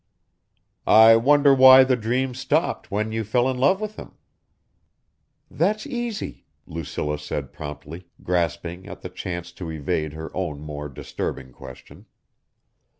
"I wonder why the dream stopped when you fell in love with him." "That's easy," Lucilla said promptly, grasping at the chance to evade her own more disturbing question.